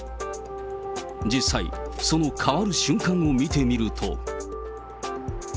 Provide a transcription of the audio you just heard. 実際、その変わる瞬間を見てみると。